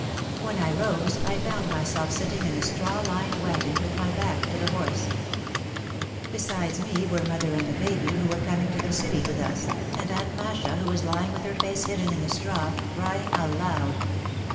When I rose I found myself sitting in a straw lined wagon, with my back to the horse. Besides me were mother and the baby, who were coming to the city with us, and Aunt Masha who was lying with her face hidden in the straw, crying aloud.